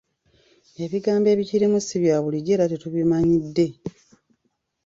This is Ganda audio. Ebigambo ebikirimu si bya bulijjo era tetubimanyidde.